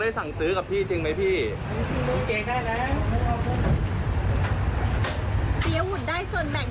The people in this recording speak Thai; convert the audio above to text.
โดยไทย